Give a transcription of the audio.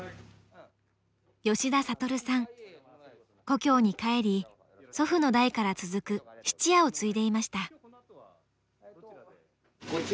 故郷に帰り祖父の代から続く質屋を継いでいました。